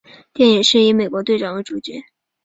电影是以美国队长为主角。